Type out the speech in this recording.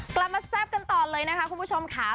กลับมาแซ่บกันต่อเลยนะคะคุณผู้ชมค่ะ